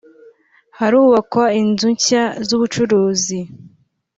harubakwa inzu nshya z’ubucuruzi